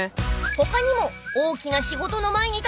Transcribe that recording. ［他にも大きな仕事の前に立ち寄るのが］